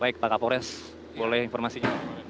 baik pak kapolres boleh informasinya